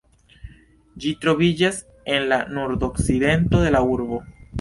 Ĝi troviĝas en la nordokcidento de la urbo.